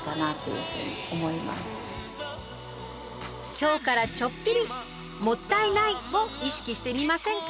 今日からちょっぴり「もったいない！」を意識してみませんか？